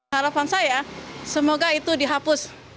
harapan saya semoga itu dihapus